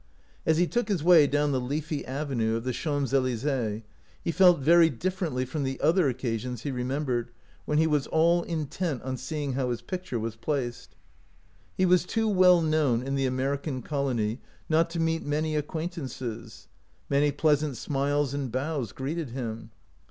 As he took his way down the leafy avenue of the Champs Elysees, he felt very differently from the other occasions he re membered, when he was all intent on see ing how his picture was placed. He was too well known in the American colony not to meet many acquaintances. Many pleasant smiles and bows greeted him.